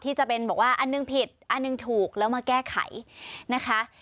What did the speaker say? จะเป็นบอกว่าอันหนึ่งผิดอันหนึ่งถูกแล้วมาแก้ไขนะคะ